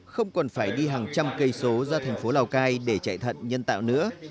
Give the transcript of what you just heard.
không còn phải đi hàng trăm cây số ra thành phố lào cai để chạy thận nhân tạo nữa